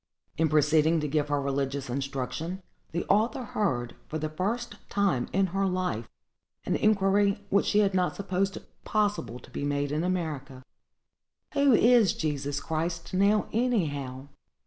In proceeding to give her religious instruction, the author heard, for the first time in her life, an inquiry which she had not supposed possible to be made in America:—"Who is Jesus Christ, now, anyhow?"